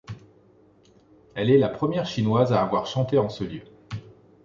Elle est la première chinoise à avoir chanté en ce lieu.